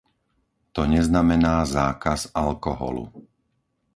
To neznamená zákaz alkoholu.